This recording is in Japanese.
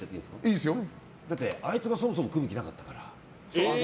だってあいつがそもそも組む気なかったから。